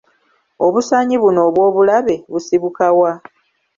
Obusaanyi buno obw'obulabe busibuka wa?